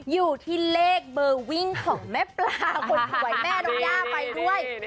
อยู่ที่เลขเบอร์วิ่งของแม่ปลาคนสวยแม่น้องย่าไปด้วย